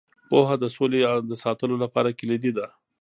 پوهه د سولې د ساتلو لپاره کلیدي ده.